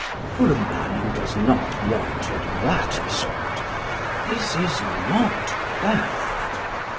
For a man who does not want advertisement this is not bad.